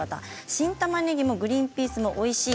新たまねぎもグリンピースもおいしい。